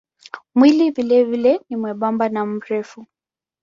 Mwili vilevile ni mwembamba na mrefu.